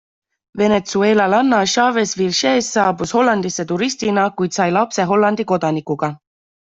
Venezuelalanna Chavez-Vilchez saabus Hollandisse turistina, kuid sai lapse Hollandi kodanikuga.